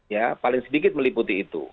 ya paling sedikit meliputi itu